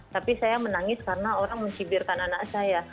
tapi saya menangis karena orang mencibirkan anak saya